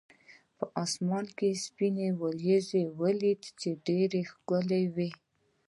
په اسمان کې مې سپینه ورېځ ولیدله، چې ډېره ښکلې وه.